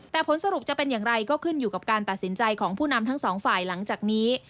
แต่ผลสรุปจะเป็นอย่างไรก็ขึ้นอยู่กับการตัดสินใจของผู้นำทั้งสองฝ่ายหลังจากนี้